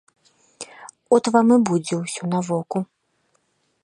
От вам і будзе ўсё на воку.